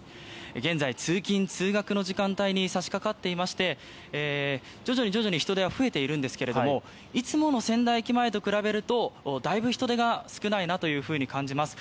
現在、通勤・通学の時間帯に差しかかっていまして徐々に人出は増えているんですがいつもの仙台駅前と比べるとだいぶ人出が少ないなと感じます。